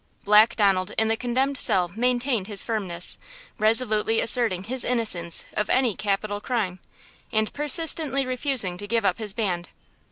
Black Donald in the condemned cell maintained his firmness, resolutely asserting his innocence of any capital crime, and persistently refusing to give up his band.